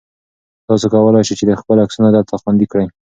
تاسو کولای شئ چې خپل عکسونه دلته خوندي کړئ.